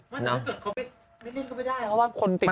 แล้วถ้าเกิดโคปิดไม่เล่นก็ไม่ได้เพราะว่าคนติดแล้ว